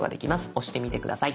押してみて下さい。